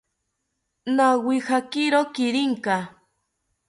Nawijakiro kirinka